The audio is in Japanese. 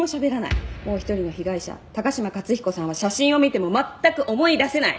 もう一人の被害者高島克彦さんは写真を見ても全く思い出せない。